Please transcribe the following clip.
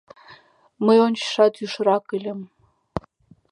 Мый ончычшат йӱшырак ыльым.